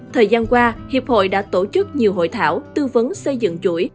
thời gian qua hiệp hội đã tổ chức nhiều hội thảo tư vấn xây dựng chuỗi